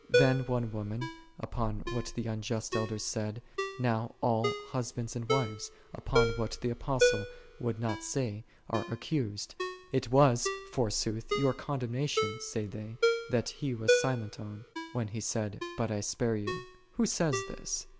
Then one woman, upon what the elders said, now all husbands and upon what the Apostle would not say, are accused. It was, forsooth, your condemnation, say they, that he was silent on, unjust wives, when he said, " But I spare you. Who (saith) this?